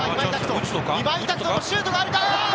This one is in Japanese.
今井拓人のシュートがあるか？